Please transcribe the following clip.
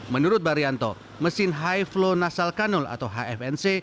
menurut barianto mesin high flow nasal kanul atau hfnc